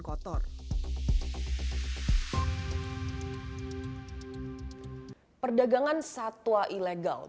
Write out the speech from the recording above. pertama perdagangan satwa ilegal